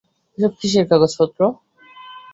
এসব কিসের কাগজপত্র?